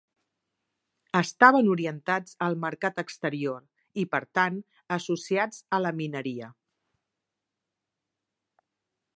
Estaven orientats al mercat exterior i per tant associats a la mineria.